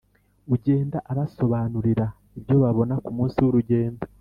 ugenda abasobanurira ibyo babona ku munsi w’urugendo